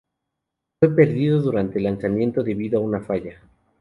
Fue perdido durante el lanzamiento debido a una falla.